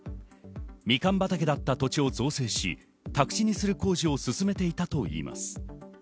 みかん畑だった土地を造成し、宅地にする工事を進めていたといいます。